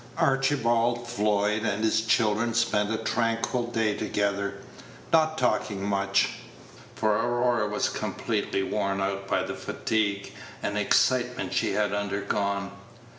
Archibald Floyd and his children spent a tranquil day together; not talking much, for Aurora was completely worn out by the fatigue and excitement she had undergone.